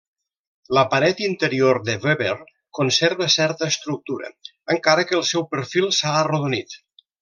La paret interior de Weber conserva certa estructura, encara que el seu perfil s'ha arrodonit.